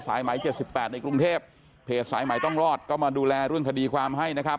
หมาย๗๘ในกรุงเทพเพจสายใหม่ต้องรอดก็มาดูแลเรื่องคดีความให้นะครับ